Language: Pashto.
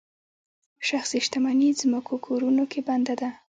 شخصي شتمني ځمکو کورونو کې بنده ده.